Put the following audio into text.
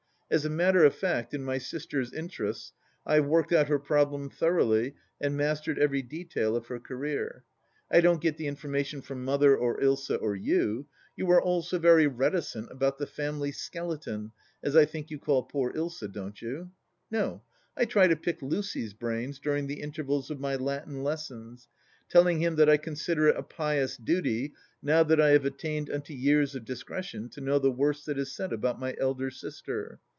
As a matter of fact, in my sister's interests, I have worked out her problem thor oughly and mastered every detail of her career. I don't get the information from Mother or Ilsa or you : you are all so very reticent about the family skeleton, as I think you call poor Ilsa, don't you ? No ! I try to pick Lucy's brains during the intervals of my Latin lessons, telling him that I consider it a pious duty, now that I have attained unto years of discretion, to know the worst that is said about my elder sister.